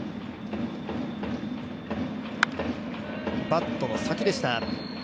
バットの先でした。